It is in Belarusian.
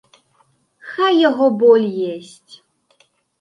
Хай яго боль есць!